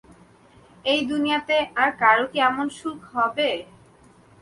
এই দুনিয়াতে আর কারও কী এমন সুখ হবে?